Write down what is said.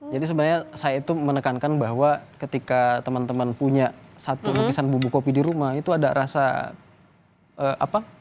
jadi sebenarnya saya itu menekankan bahwa ketika teman teman punya satu lukisan bubuk kopi di rumah itu ada rasa apa